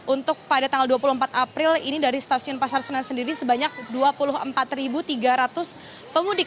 untuk pada tanggal dua puluh empat april ini dari stasiun pasar senen sendiri sebanyak dua puluh empat tiga ratus pemudik